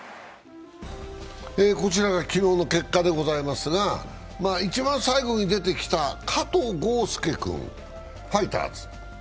こちらが昨日の結果でございますが、一番最後に出てきた加藤豪将君、ファイターズ。